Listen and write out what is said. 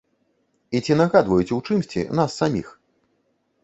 І ці нагадваюць у чымсьці нас саміх?